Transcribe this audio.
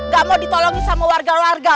gak mau ditolongin sama warga warga